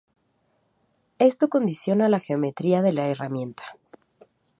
Esto condiciona la geometría de la herramienta.